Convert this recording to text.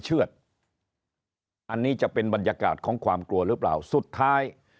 อันนี้จะเป็นบรรยากาศของความกลัวหรือเปล่าสุดท้าย